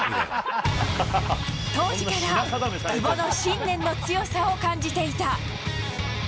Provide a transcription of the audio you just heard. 当時から、久保の信念の強さを感じていた。